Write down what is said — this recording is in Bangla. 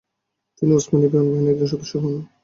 তিনি উসমানীয় বিমান বাহিনীর একজন সদস্য হন।